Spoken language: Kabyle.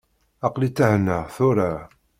Aql-i thennaɣ tura.